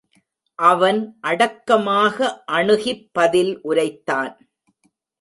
அவன் அடக்கமாக அணுகிப் பதில் உரைத்தான்.